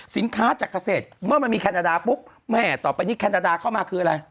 จากเกษตรเมื่อมันมีแคนาดาปุ๊บแม่ต่อไปนี้แคนาดาเข้ามาคืออะไร